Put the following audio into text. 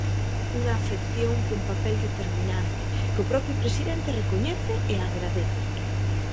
Unha afección cun papel determinante, que o propio presidente recoñece e agradece.